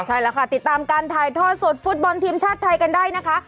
ใช่แล้วค่ะติดตามการถ่ายทอดสดฟุตบอลทีมชาติไทยกันได้นะคะ